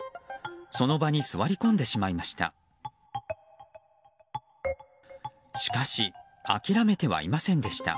その場に座り込んでしまいました。